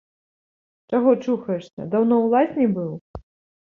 Чаго чухаешся, даўно ў лазні быў?